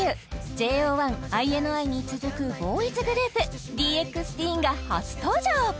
ＪＯ１・ＩＮＩに続くボーイズグループＤＸＴＥＥＮが初登場！